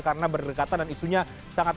karena berdekatan dan isunya sangat